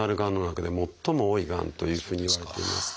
中で最も多いがんというふうにいわれています。